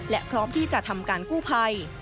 และพร้อมที่จะทำการกู้ภัย